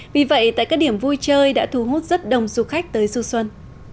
vì vậy tại các điểm vui chơi đã thu hút rất đông du khách tới du xuân